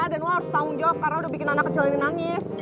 dan lo harus tanggung jawab karena udah bikin anak kecil ini nangis